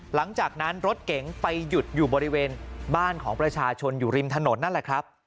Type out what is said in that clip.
หลังจากนั้นรถเก๋งไปหยุดอยู่บริเวณบ้านของประชาชนอยู่ริมถนนนั่นแหละครับ